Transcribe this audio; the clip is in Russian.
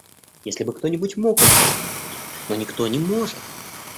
Если бы кто-нибудь мог объяснить мне, но никто не может.